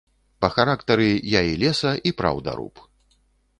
Па характары я і леса- і праўдаруб.